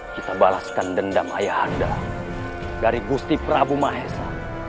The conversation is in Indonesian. kita balaskan dendam ayah anda dari gusti prabu mahesa